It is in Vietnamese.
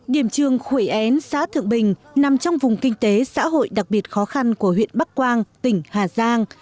điểm trường khủy én xã thượng bình nằm trong vùng kinh tế xã hội đặc biệt khó khăn của huyện bắc quang tỉnh hà giang